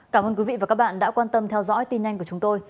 cảm ơn quý vị và các bạn đã quan tâm theo dõi tin nhanh của chúng tôi